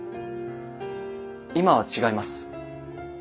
今は違います。